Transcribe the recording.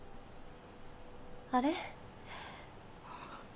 あれ？